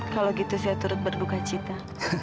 kalau gitu saya turut berduka cita